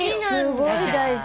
すごい大事なの。